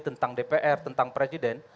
tentang dpr tentang presiden